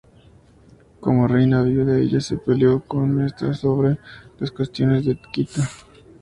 Como reina viuda, ella se peleó con su nuera sobre las cuestiones de etiqueta.